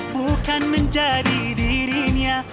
bukan menjadi dirinya